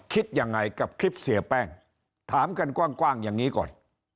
คิดยังไงกับคลิปเสียแป้งถามกันกว้างอย่างนี้ก่อน